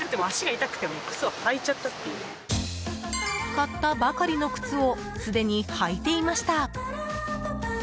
買ったばかりの靴をすでに履いていました。